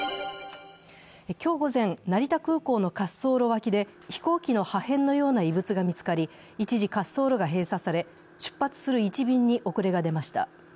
今日午前、成田空港の滑走路脇で飛行機の破片のような異物が見つかり一時、滑走路が閉鎖され、出発する１便に遅れが出ました。